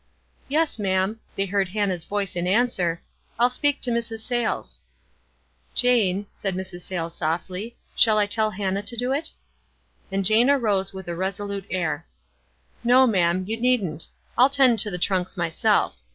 K Yes, ma'am," they heard Hannah's voice an swcr. "I'll speak to Mrs. Sayles." "Jane," said Mrs. Sayles, softly, " shall I telJ Hannah to do it?" WISE AND OTHERWISE. 165 And Jane arose with a resolute air. "No, ma'am, you needn't. I'll 'tend to the trunks myself.